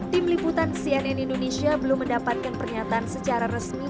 tim liputan cnn indonesia belum mendapatkan pernyataan secara resmi